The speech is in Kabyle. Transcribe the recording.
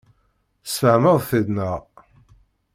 Tesfehmeḍ-t-id, naɣ?